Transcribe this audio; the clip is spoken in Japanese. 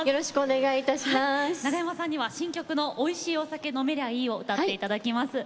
長山さんには、新曲の「美味しいお酒飲めりゃいい」ご披露いただきます。